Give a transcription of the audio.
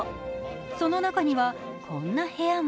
その中にはこんな部屋も。